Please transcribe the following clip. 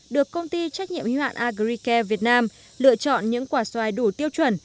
được công ty trách nhiệm huyện agricare việt nam lựa chọn những quả xoài đủ tiêu chuẩn